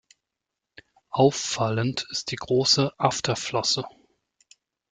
Auffallend ist die große Afterflosse.